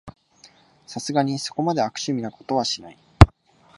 さすがにそこまで悪趣味なことはしない